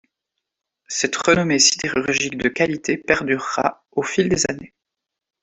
Cette renommée sidérurgique de qualité perdurera au fil des années.